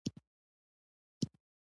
خپلو نقشو تعقیبولو ته پریږدي.